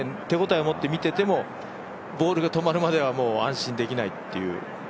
手応えを持って見ててもボールが止まるまでは安心できないっていう。